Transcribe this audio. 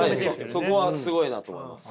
そこはすごいなと思います。